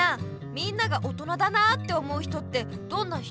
みんなが「大人だな」って思う人ってどんな人？